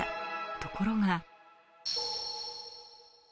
ところが。